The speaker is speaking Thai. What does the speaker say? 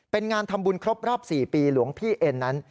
เป็นงานทำบุญครบรอบ๔ปีหลวงพี่เอ็นนั้น